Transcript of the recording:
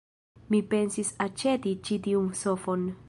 Mi pensis aĉeti ĉi tiun sofon.